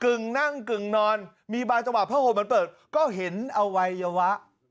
กึ่งนั่งกึ่งนอนมีบาสวะพะโหดมันเปิดก็เห็นอวัยวะ